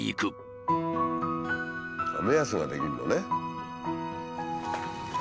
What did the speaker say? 目安が出来るのね。